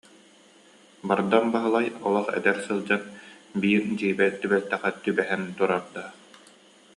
Бардам Баһылай олох эдэр сылдьан биир дьиибэ түбэлтэҕэ түбэһэн турардаах